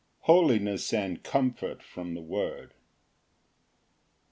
Holiness and comfort from the word.